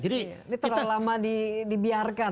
ini terlalu lama dibiarkan